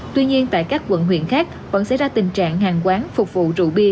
tuy nhiên tại các quận huyện khác vẫn xảy ra tình trạng hàng quán phục vụ rượu bia